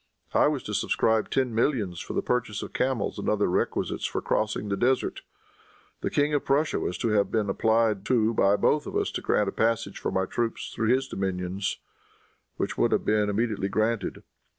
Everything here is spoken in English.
I was to subscribe ten millions for the purchase of camels and other requisites for crossing the desert. The King of Prussia was to have been applied to by both of us to grant a passage for my troops through his dominions, which would have been immediately granted.